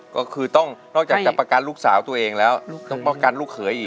ก็คือต้องนอกจากจะประกันลูกสาวตัวเองแล้วต้องประกันลูกเขยอีก